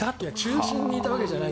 中心にいたわけじゃない。